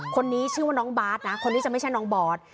คนนี้ชื่อว่าน้องบาทนะคนนี้จะไม่ใช่น้องบอส